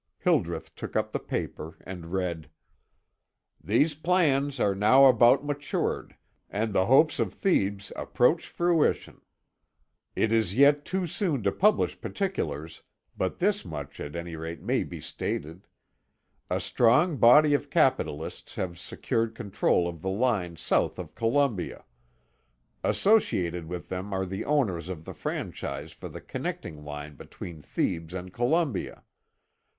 Hildreth took up the paper and read: "These plans are now about matured, and the hopes of Thebes approach fruition. It is yet too soon to publish particulars, but this much, at any rate, may be stated. A strong body of capitalists have secured control of the lines south of Columbia. Associated with them are the owners of the franchise for the connecting line between Thebes and Columbia.